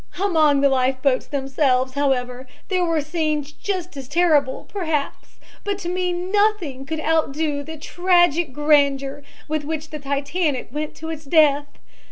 "Among the life boats themselves, however, there were scenes just as terrible, perhaps, but to me nothing could outdo the tragic grandeur with which the Titanic went to its death.